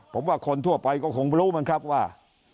ผมว่าคนทั่วไปก็คงรู้มั้งครับว่า